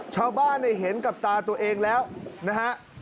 ชาวบ้านเห็นกับตาตัวเองแล้วนะฮะ